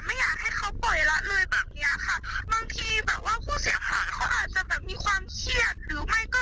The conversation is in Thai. ไม่อยากให้เขาปล่อยละเลยแบบเนี้ยค่ะบางทีแบบว่าผู้เสียหายเขาอาจจะแบบมีความเครียดหรือไม่ก็